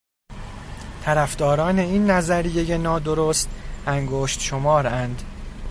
طرفداران این نظریهٔ نادرست انگشت شمار اند.